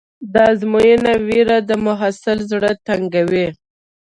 د ازموینې وېره د محصل زړه تنګوي.